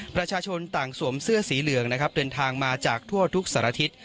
ประชาชนต่างสวมเสื้อสีเหลืองนะครับเดินทางมาจากทั่วทุกสารทิศ